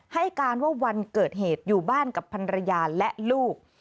ให้การว่าวันเกิดเหตุอยู่บ้านกับพันรยาและลูก